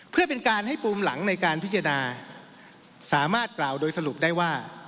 เพื่อเป็นการให้ปูมหลังในการพิจารณาสามารถกล่าวโดยสรุปได้ว่า